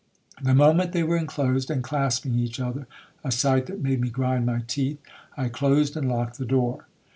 The moment they were inclosed, and clasping each other, (a sight that made me grind my teeth), I closed and locked the door.